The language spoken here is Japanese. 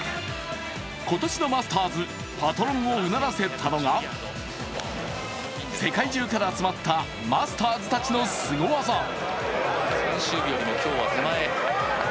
今年のマスターズパトロンをうならせたのが世界中から集まったマスターズたちのすご技。